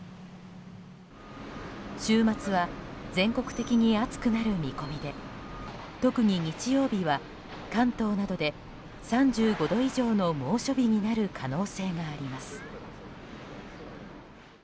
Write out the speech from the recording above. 週末は全国的に暑くなる見込みで特に日曜日は関東などで３５度以上の猛暑日になる可能性があります。